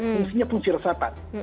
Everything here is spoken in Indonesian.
fungsinya fungsi resapan